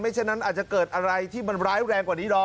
ไม่เช่นนั้นอาจจะเกิดอะไรที่มันร้ายแรงกว่านี้